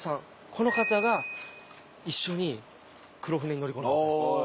この方が一緒に黒船に乗り込んだ方です。